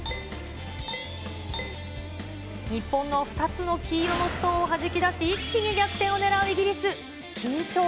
日本の２つの黄色のストーンをはじき出し、一気に逆転を狙うイギリス。